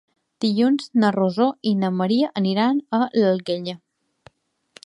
Dilluns na Rosó i na Maria aniran a l'Alguenya.